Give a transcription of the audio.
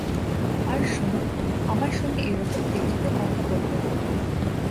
আর শোন, আমার সঙ্গে এ রকম তেজিতে কথা বলবে না।